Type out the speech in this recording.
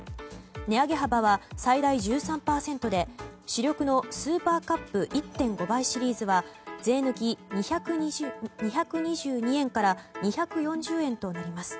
値上げ幅は最大１３％で主力のスーパーカップ１．５倍シリーズは税抜き２２２円から２４０円となります。